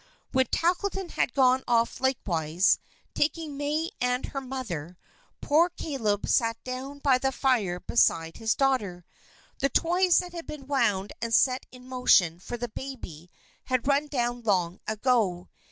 When Tackleton had gone off likewise, taking May and her mother, poor Caleb sat down by the fire beside his daughter. The toys that had been wound and set in motion for the baby had run down long ago.